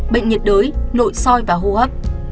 bệnh nhiệt đới nội soi và hô hấp